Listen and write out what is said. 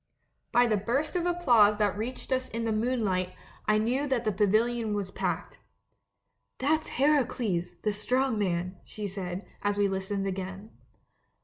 "By the burst of applause that reached us in A LETTER TO THE DUCHESS 189 the moonlight I knew that the pavilion was packed. " 'That's Heracles, the Strong Man,' she said, as we listened again.